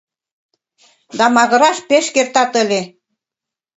Да магыраш пеш кертат ыле.